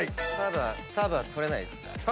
サーブは取れないです。